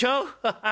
ハハハ！